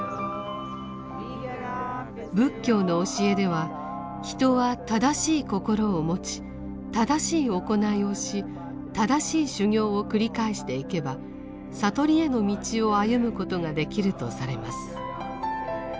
仏教の教えでは人は正しい心を持ち正しい行いをし正しい修行を繰り返していけば悟りへの道を歩むことができるとされます。